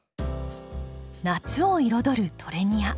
夏を彩るトレニア。